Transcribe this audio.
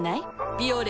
「ビオレ」